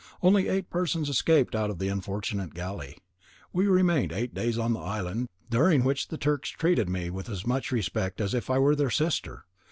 Only eight persons escaped out of the unfortunate galley. We remained eight days on the island, during which the Turks treated me with as much respect as if I were their sister.